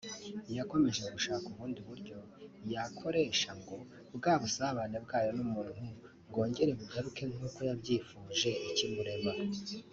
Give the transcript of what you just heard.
yakomeje gushaka ubundi buryo yakoresha ngo bwa busābane bwayo n’umuntu bwongere bugaruke nkuko yabyifuje ikimurema